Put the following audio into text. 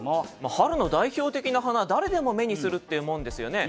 春の代表的な花誰でも目にするっていうもんですよね。